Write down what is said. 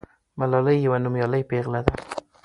ملالۍ یوه نومیالۍ پیغله ده.